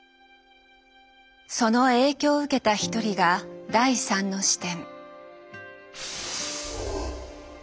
その影響を受けた一人が第３の視点。